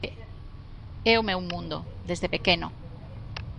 É o meu mundo, desde pequeno.